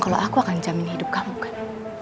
kalau aku akan jamin hidup kamu kan